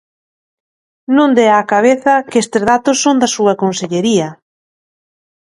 Non dea á cabeza, que estes datos son da súa consellería.